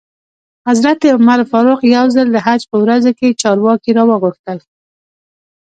حضرت عمر فاروق یو ځل د حج په ورځو کې چارواکي را وغوښتل.